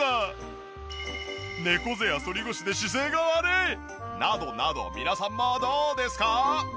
猫背や反り腰で姿勢が悪いなどなど皆さんもどうですか？